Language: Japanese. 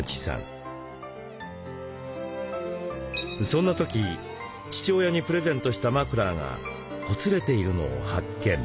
そんな時父親にプレゼントしたマフラーがほつれているのを発見。